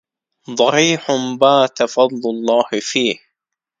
ضريح بات فضل الله فيه